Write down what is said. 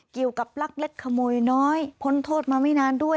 เกี่ยวกับลักเล็กขโมยน้อยพ้นโทษมาไม่นานด้วย